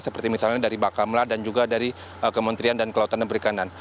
seperti misalnya dari bakamla dan juga dari kementerian dan kelautan dan perikanan